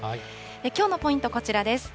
きょうのポイント、こちらです。